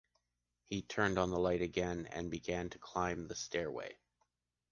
He turned on the light again and began to climb the stairway.